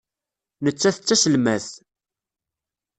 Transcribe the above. Nettat d taselmadt.